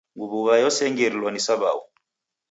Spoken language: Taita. Mbuw'a yose engirilwa ni saw'au.